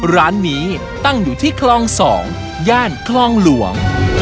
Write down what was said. ร้านนี้ตั้งอยู่ที่คลอง๒ย่านคลองหลวง